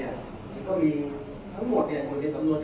แต่ว่าไม่มีปรากฏว่าถ้าเกิดคนให้ยาที่๓๑